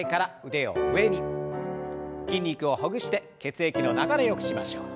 筋肉をほぐして血液の流れよくしましょう。